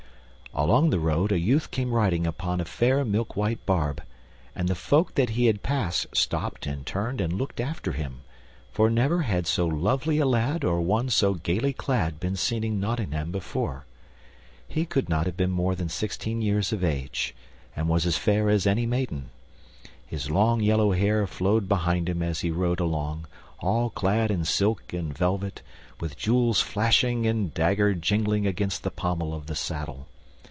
Along the road a youth came riding upon a fair milk white barb, and the folk that he passed stopped and turned and looked after him, for never had so lovely a lad or one so gaily clad been seen in Nottingham before. He could not have been more than sixteen years of age, and was as fair as any maiden. His long yellow hair flowed behind him as he rode along, all clad in silk and velvet, with jewels flashing and dagger jingling against the pommel of the saddle.